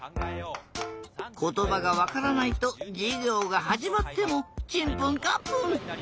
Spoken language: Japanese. ことばがわからないとじゅぎょうがはじまってもチンプンカンプン。